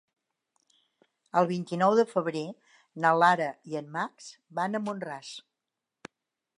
El vint-i-nou de febrer na Lara i en Max van a Mont-ras.